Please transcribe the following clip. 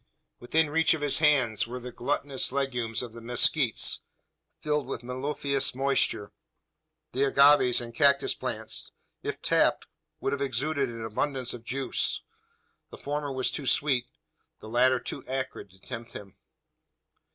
Within reach of his hand were the glutinous legumes of the mezquites, filled with mellifluous moisture. The agaves and cactus plants, if tapped, would have exuded an abundance of juice. The former was too sweet, the latter too acrid to tempt him.